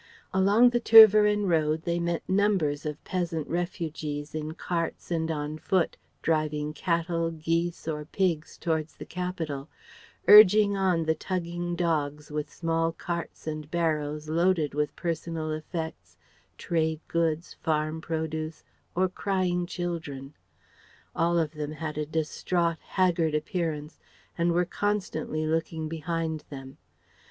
Along the Tervueren road they met numbers of peasant refugees in carts and on foot, driving cattle, geese or pigs towards the capital; urging on the tugging dogs with small carts and barrows loaded with personal effects, trade goods, farm produce, or crying children. All of them had a distraught, haggard appearance and were constantly looking behind them.